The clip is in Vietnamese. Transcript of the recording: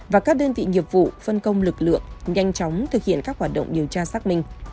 và các đơn vị nghiệp vụ phân công lực lượng nhanh chóng thực hiện các hoạt động điều tra xác minh